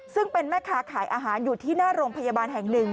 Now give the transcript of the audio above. ซึ่งเป็นแม่ค้าขายอาหารอยู่ที่หน้าโรงพยาบาลแห่งหนึ่ง